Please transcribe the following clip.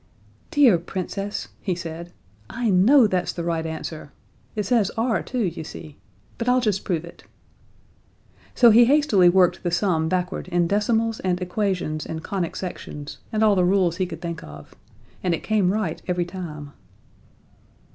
"Dear Princess," he said, "I know that's the right answer. It says R too, you see. But I'll just prove it." So he hastily worked the sum backward in decimals and equations and conic sections, and all the rules he could think of. And it came right every time.